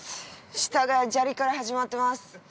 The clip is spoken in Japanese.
下が砂利から始まっています。